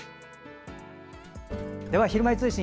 では、「ひるまえ通信」。